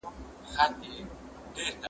چي پخپله چا تغییر نه وي منلی.